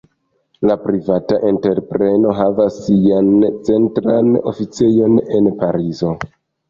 La privata entrepreno havas sian centran oficejon en Parizo.